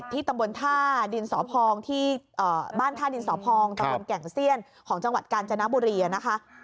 ที่บ้านท่าดินสภองตรัมว์แก่งเซียนของจังหวัดกาญจนบุรีะนะคะ